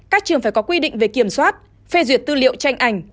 các trường phải có quy định về kiểm soát phê duyệt tư liệu tranh ảnh